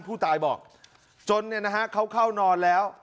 ผู้ตายบอกจนเนี่ยนะฮะเขาเข้านอนแล้ว